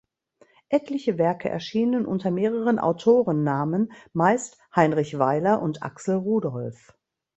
Etliche Werke erschienen unter mehreren Autorennamen, meist Heinrich Weiler und Axel Rudolph.